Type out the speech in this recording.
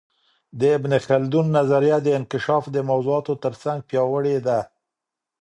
د ابن خلدون نظریه د انکشاف د موضوعاتو ترڅنګ پياوړې ده.